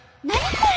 これ！